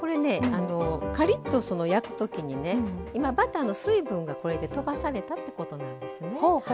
カリッと焼くときに今、バターの水分が飛ばされたってことなんですね。